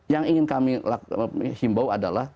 yang ingin kami himbau adalah